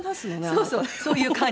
そうそうそういう感じで。